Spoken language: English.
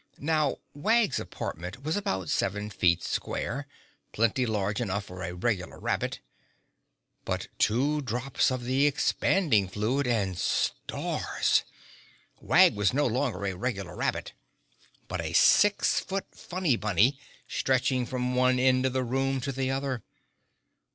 Now Wag's apartment was about seven feet square—plenty large enough for a regular rabbit—but two drops of the expanding fluid—and, stars! Wag was no longer a regular rabbit but a six foot funny bunny, stretching from one end of the room to the other.